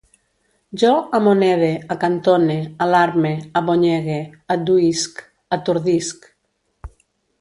Jo amonede, acantone, alarme, abonyegue, adduïsc, atordisc